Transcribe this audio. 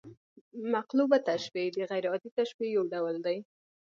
مقلوبه تشبیه د غـير عادي تشبیه یو ډول دئ.